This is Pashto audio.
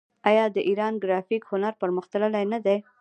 آیا د ایران ګرافیک هنر پرمختللی نه دی؟